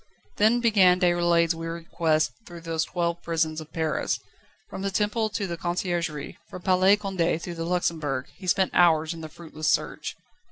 Then began Déroulède's weary quest through those twelve prisons of Paris. From the Temple to the Conciergerie, from Palais Condé to the Luxembourg, he spent hours in the fruitless search.